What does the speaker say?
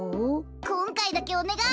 こんかいだけおねがい！